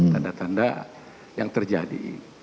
tanda tanda yang terjadi